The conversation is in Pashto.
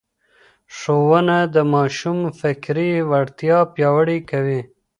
ښوونه د ماشوم فکري وړتیا پياوړې کوي.